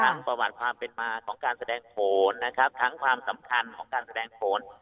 ประวัติความเป็นมาของการแสดงโขนนะครับทั้งความสำคัญของการแสดงผล